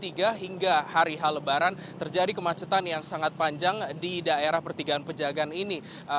dari hari hal min tiga hingga hari hal lebaran terjadi kemacetan yang sangat panjang di daerah pertigaan pejagaan ini